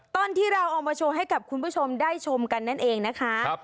ตอนที่เราเอามาโชว์ให้กับคุณผู้ชมได้ชมกันนั่นเองนะคะ